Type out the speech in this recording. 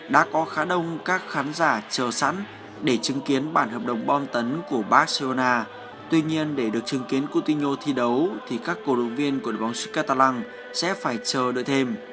đã có khá đông các khán giả chờ sẵn để chứng kiến bản hợp đồng bom tấn của barcelona tuy nhiên để được chứng kiến cutino thi đấu thì các cổ động viên của đội bóng schcalang sẽ phải chờ đợi thêm